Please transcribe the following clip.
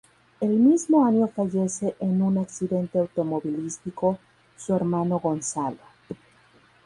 El mismo año fallece en un accidente automovilístico su hermano Gonzalo.